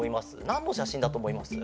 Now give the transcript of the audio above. なんの写真だと思います？